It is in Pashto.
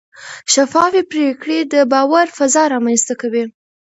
شفاف پریکړې د باور فضا رامنځته کوي.